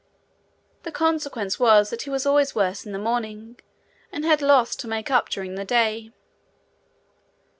The consequence was that he was always worse in the morning, and had loss to make up during the day.